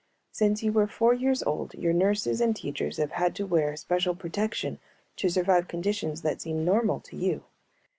Since you were four years old your nurses and teachers have had to wear special protection to survive conditions that seem normal to you.